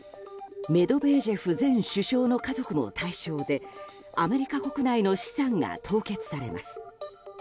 メドベージェフ前首相の家族も対象でアメリカ国内の資産が凍結されます。